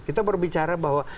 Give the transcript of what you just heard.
kita berbicara bahwa